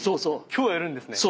今日やるんですね？